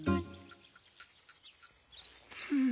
うん。